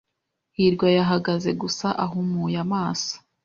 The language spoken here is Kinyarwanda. hirwa yahagaze gusa ahumuye amaso.